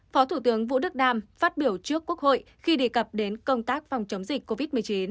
phó thủ tướng vũ đức đam phát biểu trước quốc hội khi đề cập đến công tác phòng chống dịch covid một mươi chín